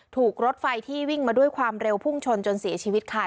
ถูกรถไฟที่วิ่งมาด้วยความเร็วพุ่งชนจนเสียชีวิตค่ะ